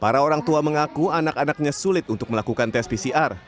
para orang tua mengaku anak anaknya sulit untuk melakukan tes pcr